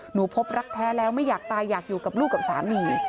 พบรักแท้แล้วไม่อยากตายอยากอยู่กับลูกกับสามี